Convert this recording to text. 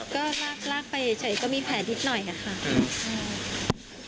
ก็ลากไปเฉยก็มีแผลนิดหน่อยนะคะ